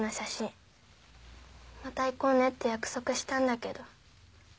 また行こうねって約束したんだけど。